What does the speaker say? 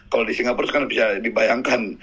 kalau di singapura sekarang bisa dibayangkan